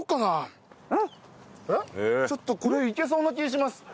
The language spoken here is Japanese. ちょっとこれいけそうな気します。